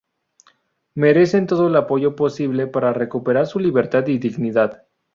Merecen toda el apoyo posible para recuperar su libertad y dignidad.